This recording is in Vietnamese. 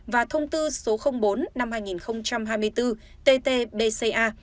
và thông tư số bốn năm hai nghìn hai mươi bốn ttbca